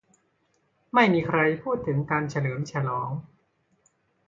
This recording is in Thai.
ไม่มีใครพูดถึงการเฉลิมฉลอง